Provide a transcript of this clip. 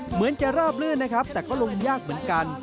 เหมือนจะราบลื่นนะครับแต่ก็ลงยากเหมือนกัน